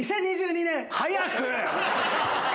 ２０２２年！